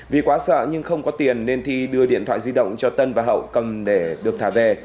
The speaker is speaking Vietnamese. vì quá sợ nhưng không có tiền nên thi đưa điện thoại di động cho tân và hậu cầm để được thả về